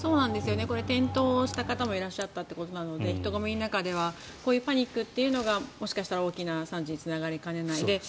これ、転倒した方もいらっしゃったってことなので人混みの中ではこういうパニックというのがもしかしたら大きな惨事につながりかねない。